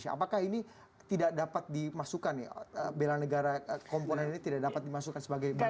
apakah ini tidak dapat dimasukkan nih bela negara komponen ini tidak dapat dimasukkan sebagai bantuan